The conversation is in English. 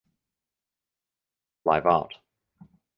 Live art.